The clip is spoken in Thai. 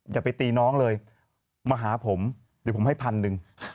อย่าไปตีน้องเลยมาหาผมเดี๋ยวผมให้พันหนึ่ง